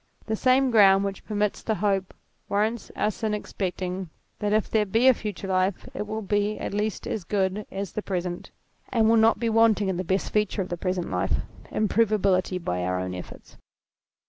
The same ground which permits the hope warrants us in expecting that if there be a future life it will be at least as good as the present, and will not be wanting in the best feature of the present life, im provability by our own efforts.